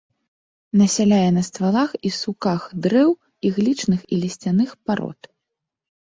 Насяляе на ствалах і суках дрэў іглічных і лісцяных парод.